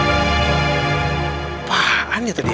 apaan itu dia